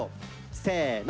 せの。